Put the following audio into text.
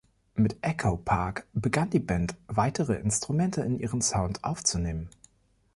Mit „Echo Park“ begann die Band, weitere Instrumente in ihren Sound aufzunehmen.